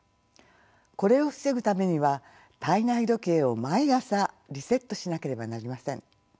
これを防ぐためには体内時計を毎朝リセットしなければなりません。